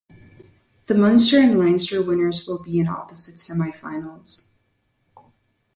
The Munster and Leinster winners will be in opposite semi-finals.